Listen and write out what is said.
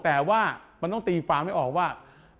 แต่ว่ามันต้องตีความไม่ออกว่า